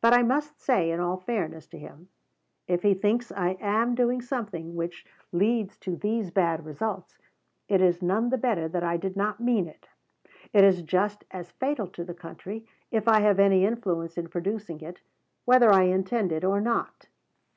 But I must say, in all fairness to him, if he thinks I am doing something which leads to these bad results, it is none the better that I did not mean it. It is just as fatal to the country, if I have any influence in producing it, whether I intend it or not.